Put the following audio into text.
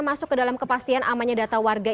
masuk ke dalam kepastian amannya data warga